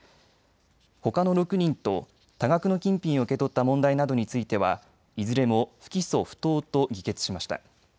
ほかの６人と多額の金品を受け取った問題などについてはいずれも不起訴不当と議決しました。